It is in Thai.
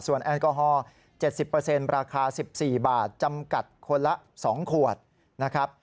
แอลกอฮอล์๗๐ราคา๑๔บาทจำกัดคนละ๒ขวดนะครับ